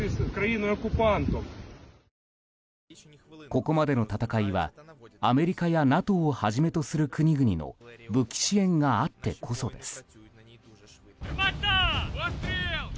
ここまでの戦いはアメリカやＮＡＴＯをはじめとする国々の武器支援があってこそです。